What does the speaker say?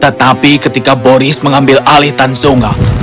tetapi ketika boris mengambil alih tanso nga kau menangis